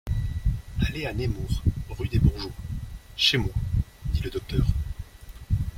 Allez à Nemours, rue des Bourgeois, chez moi, dit le docteur.